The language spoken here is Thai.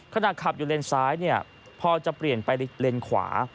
ขณะขับอยู่เลนซ้ายเนี่ยพอจะเปลี่ยนไปเลนขวา